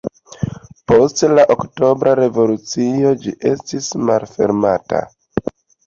Post la Oktobra Revolucio ĝi estis malfermita.